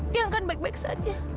tiang kan baik baik saja